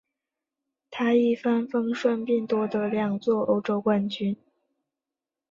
他一帆风顺并夺得两座欧洲冠军。